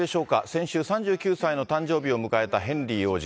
先週、３９歳の誕生日を迎えたヘンリー王子。